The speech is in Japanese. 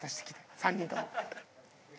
３人とも。